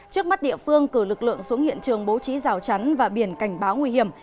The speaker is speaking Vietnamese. trước mắt địa phương cử lực lượng xuống hiện trường bố trí rào chắn và biển cảnh báo nguy hiểm